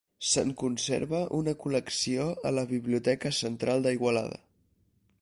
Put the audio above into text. Se'n conserva una col·lecció a la Biblioteca Central d'Igualada.